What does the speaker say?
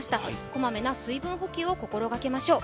小まめな水分補給を心がけましょう。